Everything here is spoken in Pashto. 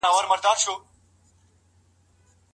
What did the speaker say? که هر څوک ملامت وو څه بايد وکړي؟